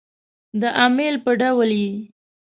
د امیل په ډول يې